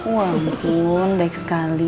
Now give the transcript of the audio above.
oh ampun baik sekali